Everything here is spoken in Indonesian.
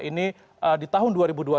ini di tahun dua ribu dua puluh